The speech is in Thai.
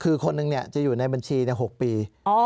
คือคนหนึ่งจะอยู่ในบัญชี๖ปี